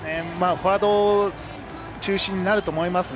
フォワード中心になると思います。